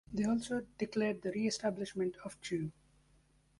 They also declared the reestablishment of Chu.